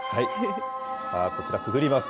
さあこちら、くぐります。